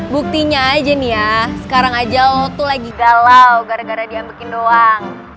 buktinya aja nih ya sekarang aja waktu lagi galau gara gara diambekin doang